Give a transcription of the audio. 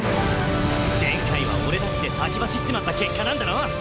前回は俺たちで先走っちまった結果なんだろ？